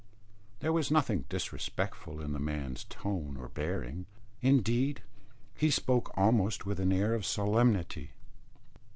There was nothing disrespectful in the man's tone or bearing; indeed he spoke almost with an air of solemnity.